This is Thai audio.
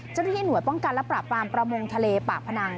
เจ้าหน้าที่หน่วยป้องกันและปราบปรามประมงทะเลปากพนัง